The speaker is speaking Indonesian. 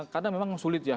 karena memang sulit ya